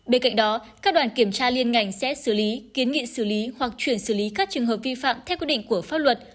bên cạnh đó các đoàn kiểm tra liên ngành sẽ xử lý kiến nghị xử lý hoặc chuyển xử lý các trường hợp vi phạm theo quy định của pháp luật